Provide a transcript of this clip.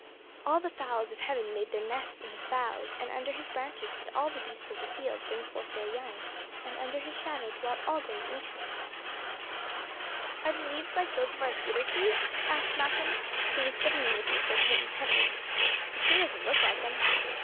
All the fowls of heaven made their nests in his boughs, and under his branches did all the beasts of the field bring forth their young, and under his shadow dwelt all great nations.'" [Illustration: CEDAR OF LEBANON.] "Are the leaves like those of our cedar trees?" asked Malcolm, who was studying the picture quite intently. "The tree doesn't look like 'em."